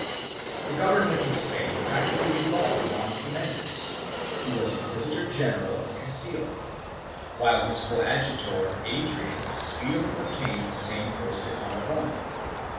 The government of Spain practically devolved upon Ximenes, who was Inquisitor general of Castile, while his coadjutor Adrian speedily obtained the same post in Aragon.